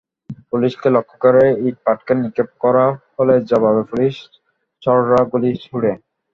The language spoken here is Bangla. পুলিশকে লক্ষ্য করে ইটপাটকেল নিক্ষেপ করা হলে জবাবে পুলিশ ছররা গুলি ছোড়ে।